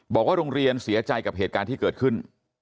บอกว่าโรงเรียนเสียใจกับเหตุการณ์ที่เกิดขึ้น